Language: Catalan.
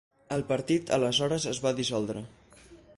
El partit aleshores es va dissoldre.